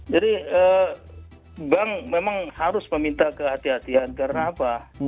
jadi bank memang harus meminta kehatian karena apa